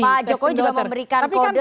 pak jokowi juga memberikan kode